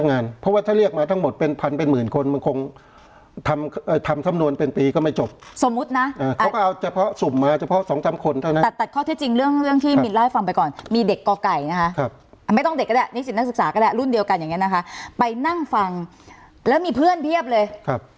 อ่าไม่ต้องเด็กก็ได้นิจจิตนักศึกษาก็ได้รุ่นเดียวกันอย่างเงี้ยนะคะไปนั่งฟังแล้วมีเพื่อนเพียบเลยครับ